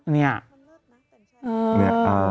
นี่เออ